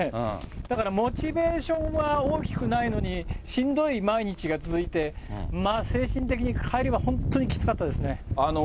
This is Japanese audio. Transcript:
だからモチベーションは大きくないのに、しんどい毎日が続いて、まあ、精神的に、帰りは本当にきつかったですね。